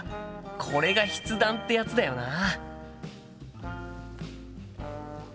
これが筆談ってやつだよな。